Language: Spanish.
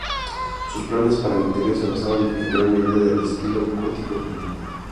Sus planes para el interior se basaron en gran medida del estilo gótico español.